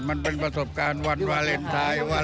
มันเป็นประสบการณ์วันวาเลนไทยว่า